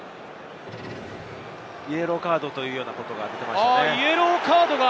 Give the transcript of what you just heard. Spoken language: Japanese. イエローカードというようなことが出ましたね。